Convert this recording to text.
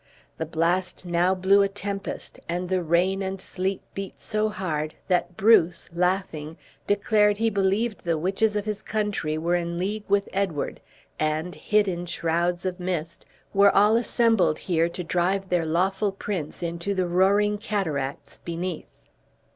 The blast now blew a tempest, and the rain and sleet beat so hard, that Bruce, laughing, declared he believed the witches of his country were in league with Edward, and, hid in shrouds of mist, were all assembled here to drive their lawful prince into the roaring cataracts beneath.